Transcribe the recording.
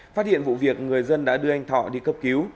phát hiện vụ việc người dân đã đưa anh thọ đi cấp cứu